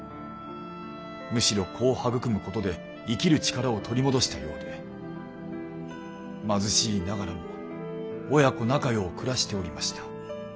むしろ子を育むことで生きる力を取り戻したようで貧しいながらも親子仲よう暮らしておりました。